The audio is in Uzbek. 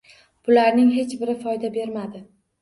Bularning hech biri foyda bermadi.